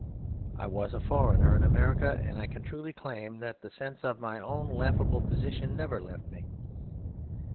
I was a foreigner in America; and I can truly claim that the sense of my own laughable position never left me.